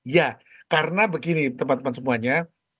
ya karena begini teman teman semuanya